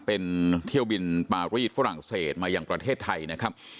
เป็นเที่ยวบินปารีสฝรั่งเศสมาอย่างประเทศไทยนะครับ